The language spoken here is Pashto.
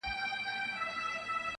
نه به یې د ستورو غاړګۍ درته راوړې وي -